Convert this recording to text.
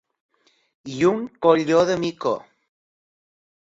I un colló de mico!